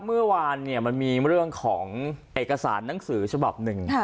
เมื่อวานมันมีเรื่องของเอกสารหนังสือฉบับหนึ่ง